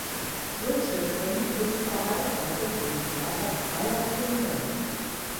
Richardson ist verheiratet und Vater zweier Kinder.